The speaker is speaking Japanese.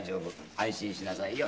安心しなさいよ。